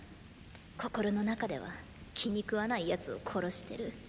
心の中では気に食わない奴を殺してる。